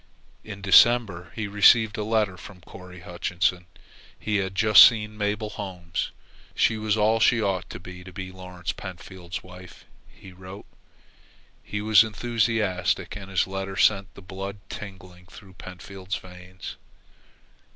In December he received a letter from Corry Hutchinson. He had just seen Mabel Holmes. She was all she ought to be, to be Lawrence Pentfield's wife, he wrote. He was enthusiastic, and his letter sent the blood tingling through Pentfield's veins.